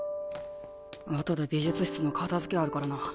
あとで美術室の片づけあるからな。